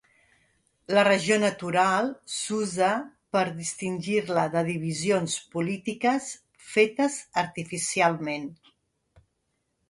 La regió natural s'usa per distingir-la de divisions polítiques fetes artificialment.